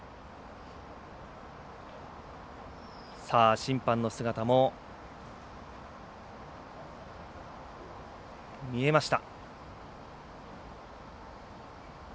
審判の姿も見えました。